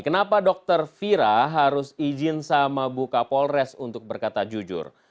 kenapa dokter fira harus izin sama bu kapolres untuk berkata jujur